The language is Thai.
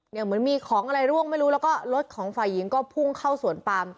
เหมือนมีของอะไรร่วงไม่รู้แล้วก็รถของฝ่ายหญิงก็พุ่งเข้าสวนปาม